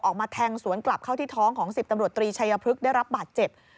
ออกมาแทงสวนกลับเข้าที่ท้องของ๑๐ตำรวจตรีชัยพฤกษ์ได้รับบาดเจ็บ